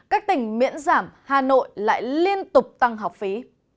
các tỉnh miễn giảm hà nội lại liên tục tăng học phí